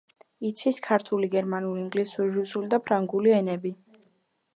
იცის ქართული, გერმანული, ინგლისური, რუსული და ფრანგული ენები.